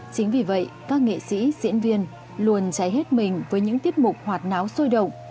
chính vì vậy các nghệ sĩ diễn viên luôn cháy hết mình với những tiết mục hoạt náo sôi động